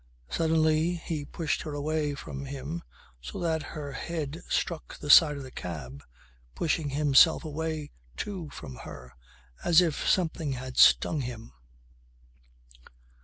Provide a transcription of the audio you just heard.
Suddenly he pushed her away from him so that her head struck the side of the cab, pushing himself away too from her as if something had stung him.